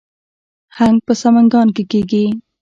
هنګ په سمنګان کې کیږي